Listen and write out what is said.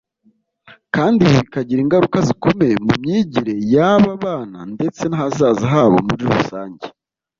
kandi ibi bikagira ingaruka zikomeye ku myigire y’aba bana ndetse n’ahazaza habo muri rusange